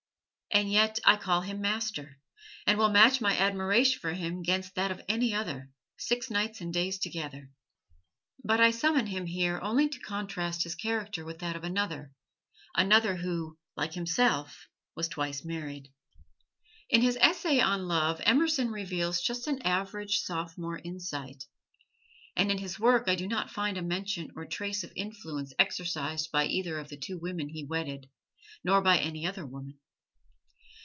And yet, I call him master, and will match my admiration for him 'gainst that of any other, six nights and days together. But I summon him here only to contrast his character with that of another another who, like himself, was twice married. In his "Essay on Love" Emerson reveals just an average sophomore insight; and in his work I do not find a mention or a trace of influence exercised by either of the two women he wedded, nor by any other woman.